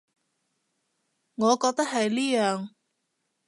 我覺得係呢樣